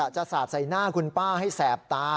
สาดใส่หน้าคุณป้าให้แสบตา